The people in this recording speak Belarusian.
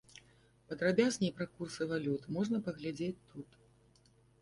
Падрабязней пра курсы валют можна паглядзець тут.